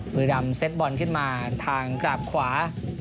บุรีรำเซ็ตบอลขึ้นมาทางกราบขวา